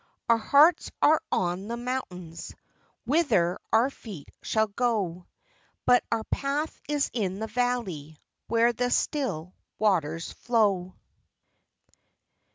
Our hearts are on the mountains, Whither our feet shall go ; But our path is in the valley, Where the still waters flow.